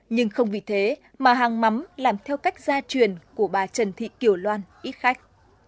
nhưng không vì thế mà hàng mắm làm theo cách gia truyền của bà trần thị kiều loan ít khách